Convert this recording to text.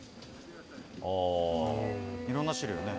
いろんな種類がね。